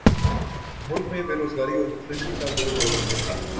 ملک میں بیروزگاری اور مفلسی کا دور دورہ ہو